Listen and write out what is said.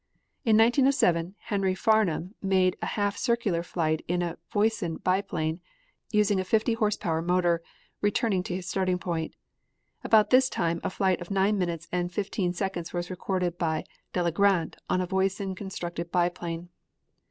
In 1907 Henry Farnum made a half circular flight in a Voisin biplane, using a fifty horse power motor, returning to his starting point. About this time a flight of nine minutes and fifteen seconds was recorded by Delagrande on a Voisin constructed biplane.